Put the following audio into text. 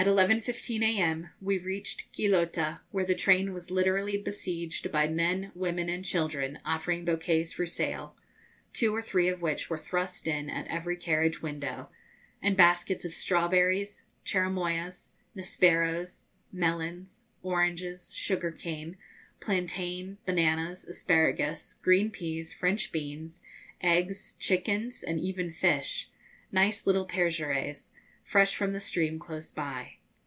15 a.m. we reached Quillota, where the train was literally besieged by men, women, and children, offering bouquets for sale two or three of which were thrust in at every carriage window and baskets of strawberries, cherimoyas, nisperos, melons, oranges, sugar cane, plantain, bananas, asparagus, green peas, French beans, eggs, chickens, and even fish nice little pejereyes, fresh from the stream close by.